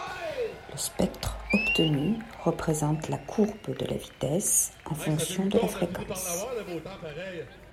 Le spectre obtenu représente la courbe de la vitesse en fonction de la fréquence.